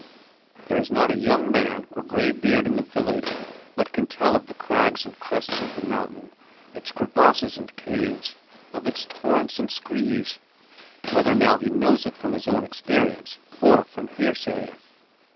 There is not a young man or graybeard in the village but can tell of the crags and crests of the mountain, of its crevasses and caves, of its torrents and screes, whether now he knows it from his own experience or from hearsay.